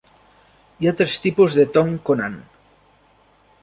Hi ha tres tipus de "tongkonan".